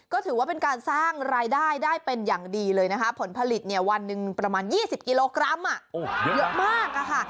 ก็ถือว่าเป็นการสร้างรายได้ได้เป็นอย่างดีเลยนะคะผลผลิตเนี่ยวันหนึ่งประมาณ๒๐กิโลกรัมเยอะมากค่ะ